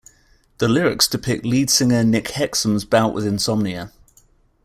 The lyrics depict lead singer Nick Hexum's bout with insomnia.